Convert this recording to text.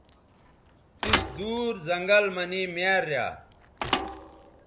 اِس دُور زنگل مہ نے میار ریا